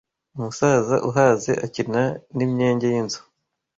Umusaza uhaze akina n'imyenge y'inzu